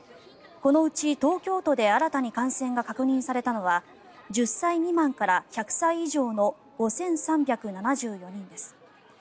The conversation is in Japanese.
このうち東京都で新たに感染が確認されたのは１０歳未満から１００歳以上の５３７４人です。